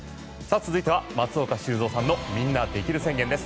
続いては、松岡修造さんのみんなできる宣言です。